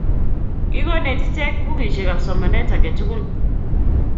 Kikonech achek bukuisiekab somanet age tugul